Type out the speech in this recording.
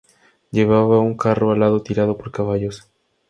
Llevaba un carro alado tirado por caballos.